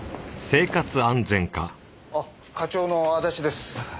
課長の安達です。